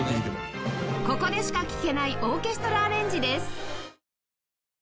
ここでしか聴けないオーケストラアレンジです